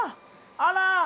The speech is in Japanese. あら！